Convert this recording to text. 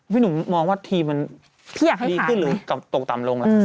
พี่หนุ่มมองว่าทีมันพี่อยากให้ผ่านไหมก็เลยตกต่ำลงแล้ว